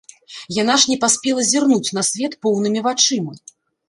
Яна ж не паспела зірнуць на свет поўнымі вачыма.